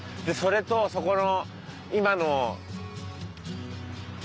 でそれとそこの今の。